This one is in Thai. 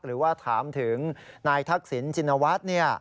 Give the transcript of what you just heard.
หรือว่าถามถึงนายทักษิณชินวัฒน์